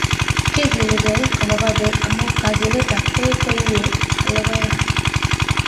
Kigiligei komaba Bek amu kogiletabkei koiye logoek